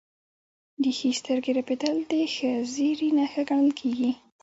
د ښي سترګې رپیدل د ښه زیری نښه ګڼل کیږي.